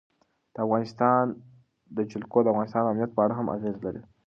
د افغانستان جلکو د افغانستان د امنیت په اړه هم اغېز لري.